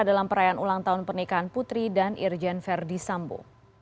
dan ulang tahun pernikahan putri dan irjen verdi sambo